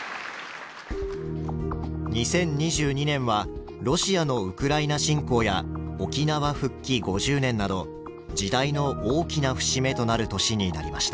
２０２２年はロシアのウクライナ侵攻や沖縄復帰５０年など時代の大きな節目となる年になりました。